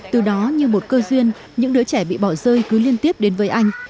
từ đó như một cơ duyên những đứa trẻ bị bỏ rơi cứ liên tiếp đến với anh